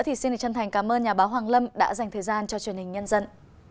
thì xin chân thành cảm ơn nhà báo hoàng lâm đã dành thời gian cho truyền hình nhân dân